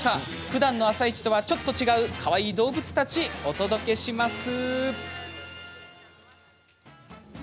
ふだんの「あさイチ」とはちょっと違うかわいい動物たち、お届けします。